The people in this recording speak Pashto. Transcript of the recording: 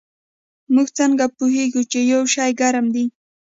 موږ څنګه پوهیږو چې یو شی ګرم دی